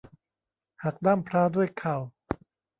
หักด้ามพร้าด้วยเข่า